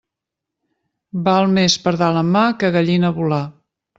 Val més pardal en mà que gallina volar.